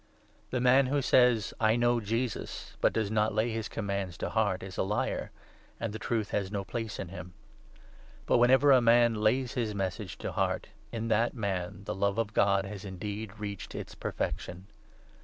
The man who says ' I know Jesus,' but 4 does not lay his commands to heart, is a liar, and the Truth has no place in him ; but, whenever a man lays his Message 5 to heart, in that man the love of God has indeed reached its perfection.